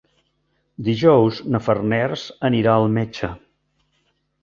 Dijous na Farners anirà al metge.